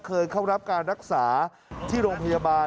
เคยเข้ารับการรักษาที่โรงพยาบาล